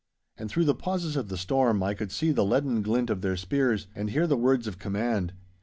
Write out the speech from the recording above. And through the pauses of the storm I could see the leaden glint of their spears, and hear the words of command.